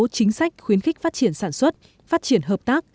một số chính sách khuyến khích phát triển sản xuất phát triển hợp tác